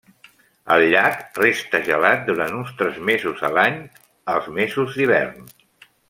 El llac resta gelat durant uns tres mesos a l'any, els mesos d'hivern.